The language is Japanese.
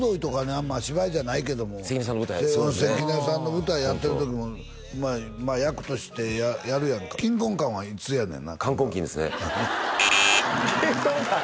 あんま芝居じゃないけども関根さんの舞台そうですね関根さんの舞台やってる時もまあ役としてやるやんかキンコンカンはいつやねんなカンコンキンですね「キンコンカン」